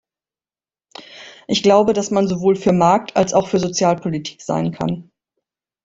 Ich glaube, dass man sowohl für Marktals auch für Sozialpolitik sein kann.